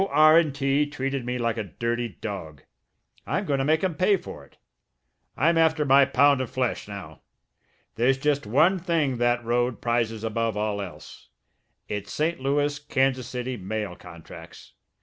R.& T. treated me like a dirty dog. I'm going to make 'em pay for it; I'm after my pound of flesh now! There's just one thing that road prizes above all else it's St. Louis Kansas City mail contracts.